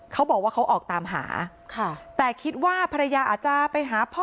เขาบอกว่าเขาออกตามหาค่ะแต่คิดว่าภรรยาอาจจะไปหาพ่อ